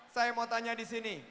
saya mau tanya disini